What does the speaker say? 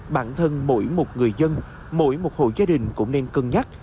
bản thân mỗi một người dân mỗi một hộ gia đình cũng nên cân nhắc